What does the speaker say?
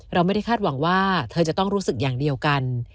เราไม่ได้คาดหวังว่าเธอจะต้องรู้สึกอย่างเดียวกัน